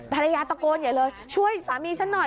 ภรรยาตะโกนอย่าเลยช่วยสามีฉันหน่อย